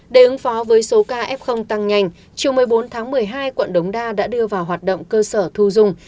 để ứng phó với số ca f tăng nhanh chiều một mươi bốn tháng một mươi hai quận đống đa đã đưa vào hoạt động cơ sở thu dung